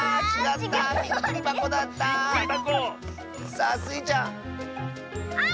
さあスイちゃん。